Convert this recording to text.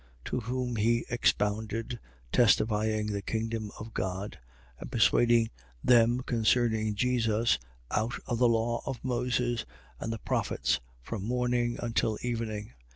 To whom he expounded, testifying the kingdom of God and persuading them concerning Jesus, out of the law of Moses and the prophets, from morning until evening.